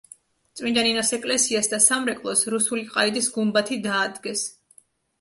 წმინდა ნინოს ეკლესიას და სამრეკლოს რუსული ყაიდის გუმბათი დაადგეს.